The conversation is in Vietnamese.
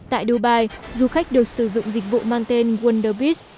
tại dubai du khách được sử dụng dịch vụ mang tên wondos